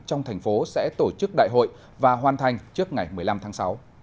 trong thành phố sẽ tổ chức đại hội và hoàn thành trước ngày một mươi năm tháng sáu